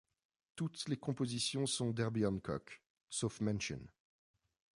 Toutes les compositions sont d'Herbie Hancock sauf Mention.